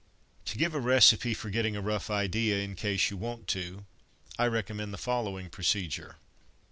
To give a recipe for getting a rough idea, in case you want to, I recommend the following procedure.